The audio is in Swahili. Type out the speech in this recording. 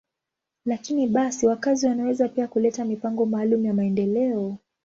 Lakini basi, wakazi wanaweza pia kuleta mipango maalum ya maendeleo.